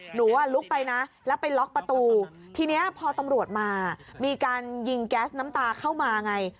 หนูอ่ะลุกไปนะแล้วไปล็อกประตูทีนี้พอตำรวจมามีการยิงแก๊สน้ำตาเข้ามาไง